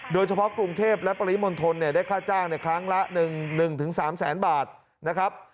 โดยเฉพาะกรุงเทพและปริมณฑลได้ค่าจ้างในครั้งละ๑๓แสนบาทนะครับ